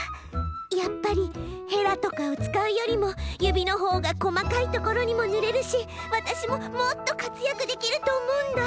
やっぱりヘラとかをつかうよりもゆびのほうがこまかいところにもぬれるしわたしももっとかつやくできるとおもうんだ！